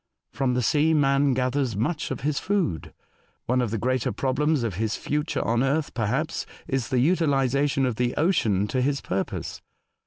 From the sea man gathers much of his food. One of the greater problems of his future on Earth, perhaps, is the utilisation of the ocean to his purpose.